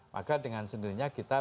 maka dengan sendirinya kita